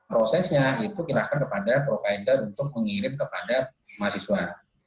prosesnya itu kita kepada provider untuk mengirim kepada mahasiswa